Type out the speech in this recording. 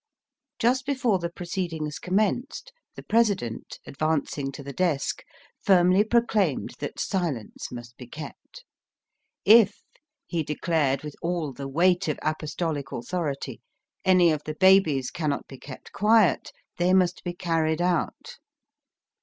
Just before the proceedings commenced the President, advancing to the desk, firmly proclaimed that silence must be kept. If,'' he declared with all the weight of apostolic authority, '^ any of the babies cannot be kept quiet, they must be carried out."